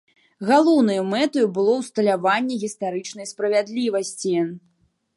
Галоўнаю мэтаю было ўсталяванне гістарычнай справядлівасці.